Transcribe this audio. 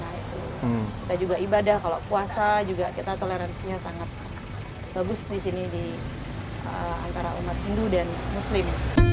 kita juga ibadah kalau puasa juga kita toleransinya sangat bagus di sini di antara umat hindu dan muslim